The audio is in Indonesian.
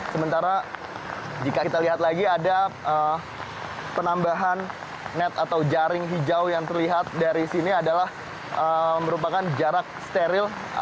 sementara jika kita lihat lagi ada penambahan net atau jaring hijau yang terlihat dari sini adalah merupakan jarak steril